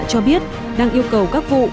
cho biết đang yêu cầu các vụ